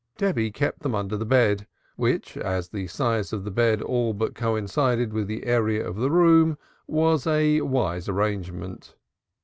Debby kept them under the bed, which, as the size of the bed all but coincided with the area of the room, was a wise arrangement.